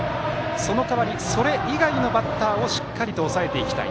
その代わりそれ以外のバッターをしっかりと抑えていきたい。